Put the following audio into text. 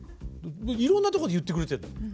いろんなところで言ってくれてるの。